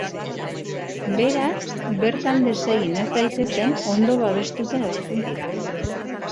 Beraz, bertan desegin ez daitezen ondo babestuta egoten dira.